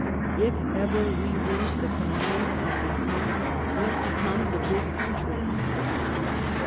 If ever we lose the command of the sea, what becomes of this country